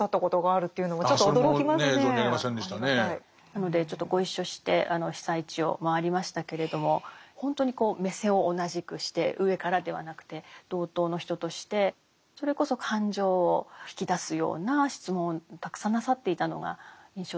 なのでちょっとご一緒して被災地を回りましたけれども本当に目線を同じくして上からではなくて同等の人としてそれこそ感情を引き出すような質問をたくさんなさっていたのが印象的です。